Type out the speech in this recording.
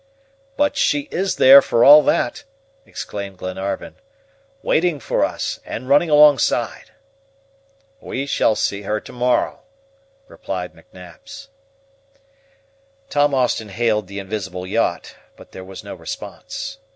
"But she is there, for all that," exclaimed Glenarvan, "waiting for us, and running alongside." "We shall see her to morrow," replied McNabbs. Tom Austin hailed the invisible yacht, but there was no response.